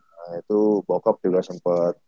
nah itu bokap juga sempet